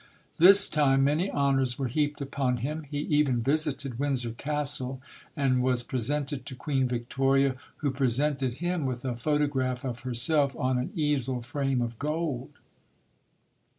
This time many honors were heaped upon him. He even visited Windsor Castle and was presented to Queen Vic toria, who presented him with a photograh of her self on an easel frame of gold.